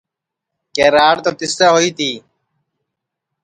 کہ راڑ تو تیسے ہوئی تی